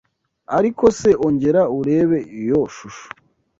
Ariko se ongera urebe iyo shusho